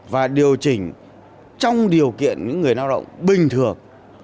và điều chỉnh trong điều kiện những người lao động bình thường